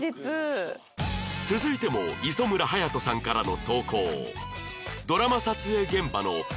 続いても磯村勇斗さんからの投稿